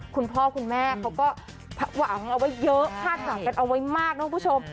คุณพ่อคุณแม่เขาก็หวังเอาไว้เยอะคาดหวังกันเอาไว้มากนะคุณผู้ชม